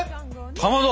かまど！